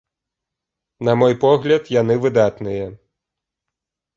На мой погляд, яны выдатныя.